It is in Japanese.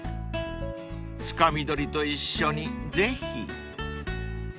［つかみ取りと一緒にぜひ］